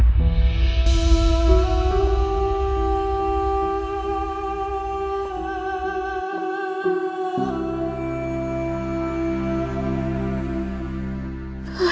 sama pak chandra